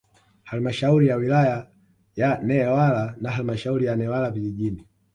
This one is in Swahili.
Halmashauri ya wilaya ya Newala na Halmashauri ya Newala vijijini